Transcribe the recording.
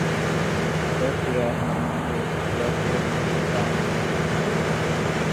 دس یا نو دن یا پھر پانچ گھنٹے؟